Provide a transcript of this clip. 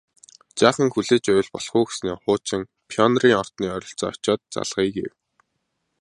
Жаахан хүлээж байвал болох уу гэснээ хуучин Пионерын ордны ойролцоо очоод залгая гэв